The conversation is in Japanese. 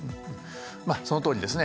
まあそのとおりですね。